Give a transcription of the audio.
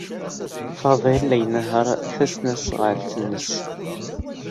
Faḍil la inehheṛ tasnasɣalt-nnes.